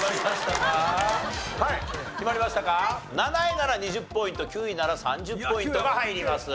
７位なら２０ポイント９位なら３０ポイントが入ります。